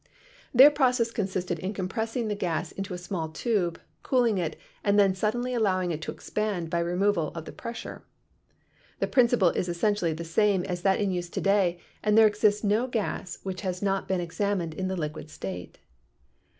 Their process consisted in compressing the gas into a small tube, cooling it and then suddenly allowing it to expand by removal of the pressure. The principle is essentially the same as that in use to day, and there exists no gas which has not been examined in the liquid state.